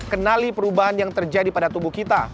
kenali perubahan yang terjadi pada tubuh kita